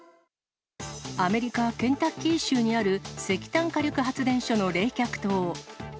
アメリカ・ケンタッキー州にある石炭火力発電所の冷却塔。